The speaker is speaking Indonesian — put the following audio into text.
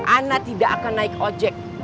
ana tidak akan naik ojek